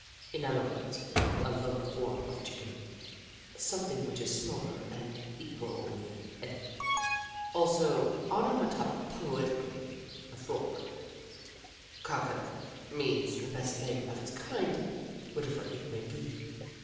In other words, a lower form of Chicken, something which is smaller and equally edible. Also, onomatopoetically, a Frog. Caw Ker means the best thing of its kind, Jim Crow 121 whatever it may be.